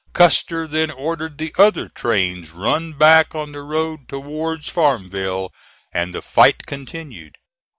Custer then ordered the other trains run back on the road towards Farmville, and the fight continued.